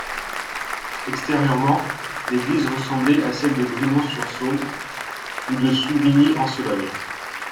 Extérieurement, l'église ressemblait à celle de Brinon-sur-Sauldre, ou de Souvigny-en-Sologne.